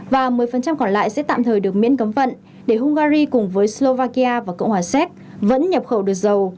và một mươi còn lại sẽ tạm thời được miễn cấm vận để hungary cùng với slovakia và cộng hòa séc vẫn nhập khẩu được dầu